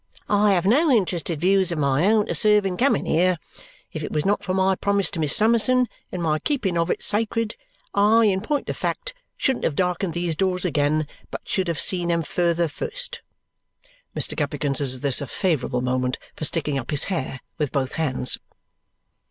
I have no interested views of my own to serve in coming here. If it was not for my promise to Miss Summerson and my keeping of it sacred I, in point of fact, shouldn't have darkened these doors again, but should have seen 'em further first." Mr. Guppy considers this a favourable moment for sticking up his hair with both hands.